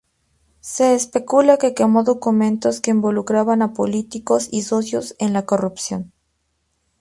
Se especula que quemó documentos que involucraban a políticos y socios en la corrupción.